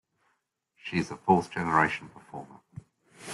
She is a fourth-generation performer.